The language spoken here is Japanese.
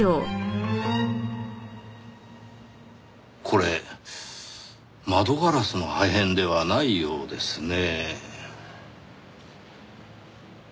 これ窓ガラスの破片ではないようですねぇ。